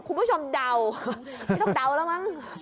คุณผู้ชมเดาไม่ต้องเดาแล้วมั้ง